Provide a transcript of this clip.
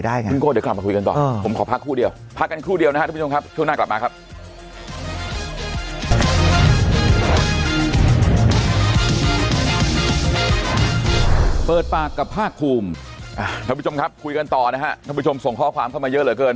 ท่านผู้ชมครับคุยกันต่อนะฮะท่านผู้ชมส่งข้อความเข้ามาเยอะเลยเกิน